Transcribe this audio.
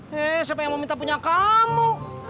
hei siapa yang mau minta punya kamu